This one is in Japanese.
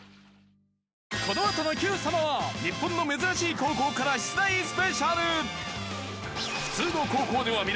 このあとの『Ｑ さま！！』は日本の珍しい高校から出題スペシャル！